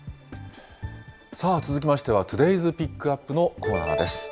さあ、続きましてはトゥデイズ・ピックアップのコーナーです。